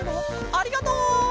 ありがとう！